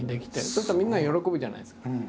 そうするとみんなが喜ぶじゃないですか。